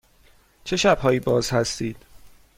چه شب هایی باز هستید؟